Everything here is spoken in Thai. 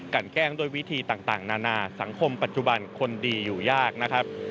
แกล้งด้วยวิธีต่างนานาสังคมปัจจุบันคนดีอยู่ยากนะครับ